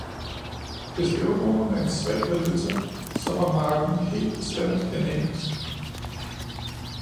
Hvis euroen er en svag valuta, så var marken helt bestemt anæmisk.